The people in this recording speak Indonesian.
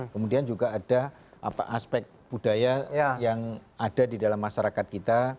kemudian juga ada aspek budaya yang ada di dalam masyarakat kita